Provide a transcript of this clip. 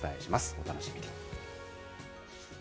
お楽しみに。